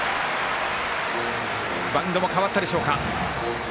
バウンドも変わったでしょうか。